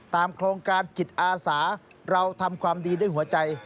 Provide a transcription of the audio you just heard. โครงการจิตอาสาเราทำความดีด้วยหัวใจ